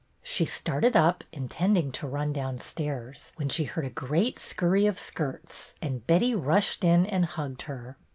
She started up, intending to run downstairs, when she heard a great scurry of skirts, and Betty rushed in and hugged her.